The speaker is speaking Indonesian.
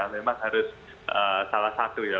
memang harus salah satu ya